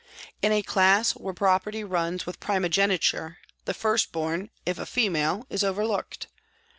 In a class where pro perty runs with primogeniture, the first born, if a female, is overlooked.